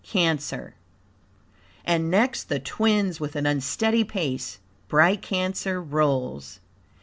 Cancer "And next the Twins with an unsteady pace Bright Cancer rolls."